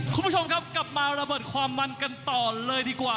คุณผู้ชมครับกลับมาระเบิดความมันกันต่อเลยดีกว่า